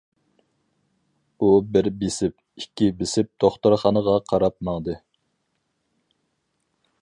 ئۇ بىر بېسىپ، ئىككى بېسىپ دوختۇرخانىغا قاراپ ماڭدى.